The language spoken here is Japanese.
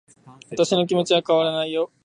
私の気持ちは変わらないよ